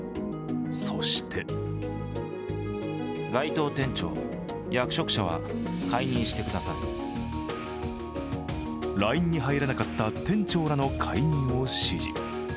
そしてＬＩＮＥに入らなかった店長らの解任を指示。